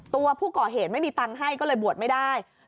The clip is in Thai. ตัวผู้ก่อเหตุไม่มีตังค์ให้ก็เลยบวชไม่ได้